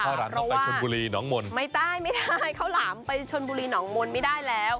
หลามต้องไปชนบุรีหนองมนต์ไม่ได้ไม่ได้ข้าวหลามไปชนบุรีหนองมนต์ไม่ได้แล้ว